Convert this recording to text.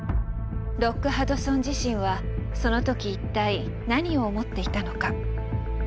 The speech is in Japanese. ロック・ハドソン自身はその時一体何を思っていたのか？